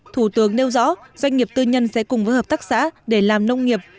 thủ tướng nêu rõ doanh nghiệp tư nhân sẽ cùng với hợp tác xã để làm nông nghiệp